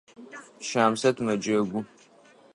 Щамсэт мэджэгу.